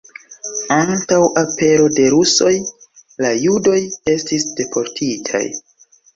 Antaŭ apero de rusoj la judoj estis deportitaj.